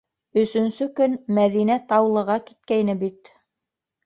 Өсөнсө көн Мәҙинә Таулыға киткәйне бит.